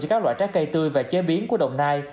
cho các loại trái cây tươi và chế biến của đồng nai